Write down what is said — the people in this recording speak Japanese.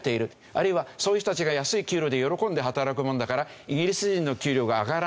あるいはそういう人たちが安い給料で喜んで働くものだからイギリス人の給料が上がらない。